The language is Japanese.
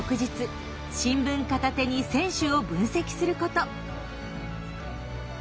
新聞片手に選手を分析すること。